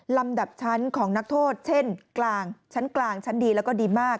ลำดับชั้นของนักโทษเช่นกลางชั้นกลางชั้นดีแล้วก็ดีมาก